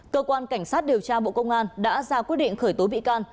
cơ quan cảnh sát điều tra bộ công an đã ra quyết định khởi tố bị can